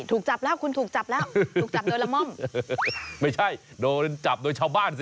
ถูกจับแล้วคุณถูกจับแล้วถูกจับโดยละม่อมไม่ใช่โดนจับโดยชาวบ้านสิ